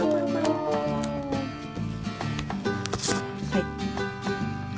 はい。